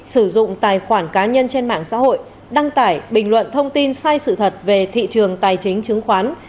sử dụng tài khoản cá nhân trên mạng xã hội đăng tải bình luận thông tin sai sự thật về thị trường tài chính chứng khoán